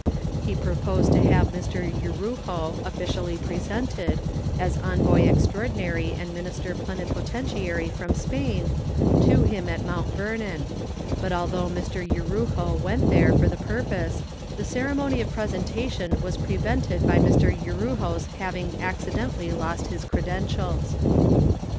He proposed to have Mr. Yrujo officially presented, as envoy extraordinary and minister plenipotentiary from Spain, to him at Mount Vernon; but although Mr. Yrujo went there for the purpose, the ceremony of presentation was prevented by Mr. Yrujo's having accidentally left his credentials.